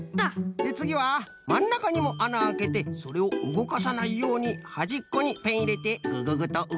でつぎはまんなかにもあなあけてそれをうごかさないようにはじっこにペンいれてグググッとうごかすと。